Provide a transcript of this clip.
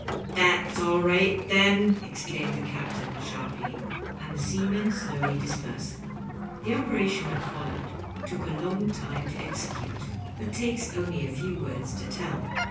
" That's all right, then," exclaimed the captain, sharp ly ; and the seamen slowly dispersed. The operation that followed took a long time to exe cute, but takes only a few words to tell.